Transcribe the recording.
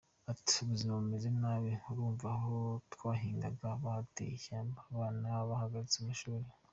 Ati “Ubuzima bumeze nabi, urumva aho twahingaga bahateye ishyamba, abana bahagaritse amashuri.